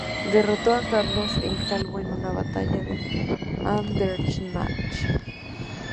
Derrotó a Carlos el Calvo en una batalla en Andernach.